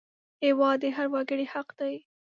هېواد د هر وګړي حق دی